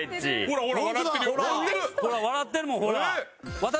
ほら笑ってるもんほら。